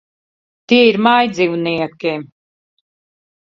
Tie ir mājdzīvnieki.